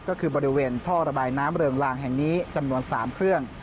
ก็คือบริเวณท่อระบายน้ำเริงลางแห่งนี้จำนวน๓เครื่อง